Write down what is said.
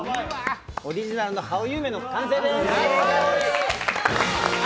オリジナルのハオユー麺の完成です！